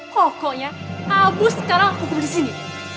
pokoknya abu sekarang aku kum disini